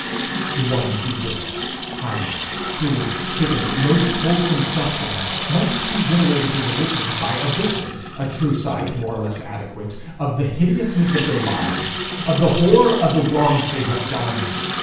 The one deepest, highest, truest, fittest, most wholesome suffering must be generated in the wicked by a vision, a true sight, more or less adequate, of the hideousness of their lives, of the horror of the wrongs they have done.